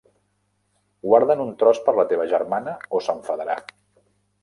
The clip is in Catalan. Guarda'n un tros per la teva germana o s'enfadarà.